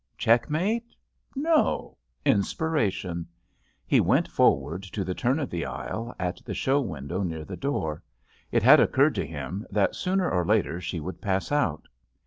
Checkmate? No. Inspiration! He went forward to the turn of the aisle at the show window near the door. It had occurred to him that sooner or later she would pass out.